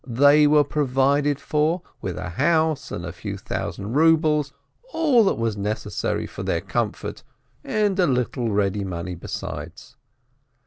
they were provided for, with a house and a few thousand rubles, all that was necessary for their comfort, and a little ready money besides.